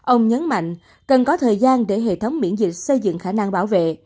ông nhấn mạnh cần có thời gian để hệ thống miễn dịch xây dựng khả năng bảo vệ